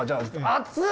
熱い？